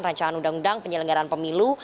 rancangan undang undang penyelenggaraan pemilu